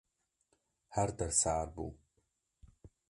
her der sar bû.